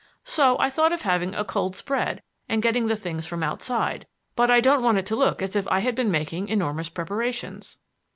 So I thought of having a cold spread and getting the things from outside. But I don't want it to look as if I had been making enormous preparations."